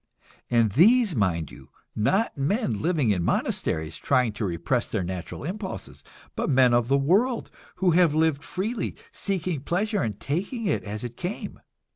And these, mind you, not men living in monasteries, trying to repress their natural impulses, but men of the world, who have lived freely, seeking pleasure and taking it as it came.